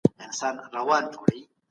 بهرنۍ پالیسي د باور فضا نه خرابوي.